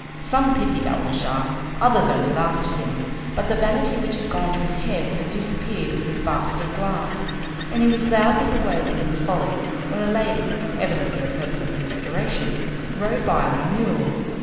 Some pitied Alnaschar, others only laughed at him, but the vanity which had gone to his head had disappeared with his basket of glass, and he was loudly bewailing his folly when a lady, evidently a person of consideration, rode by on a mule.